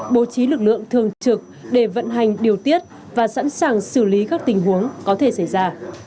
bố trí lực lượng thường trực để vận hành điều tiết và sẵn sàng xử lý các tình huống có thể xảy ra